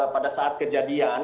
pada saat kejadian